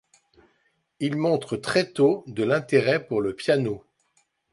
Il montre très tôt de l'intérêt pour le piano.